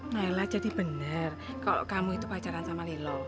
nailah jadi bener kalau kamu itu pacaran sama lilo